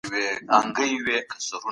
سايه هم ښه يي.